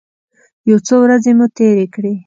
یو څو ورځې مو تېرې کړې.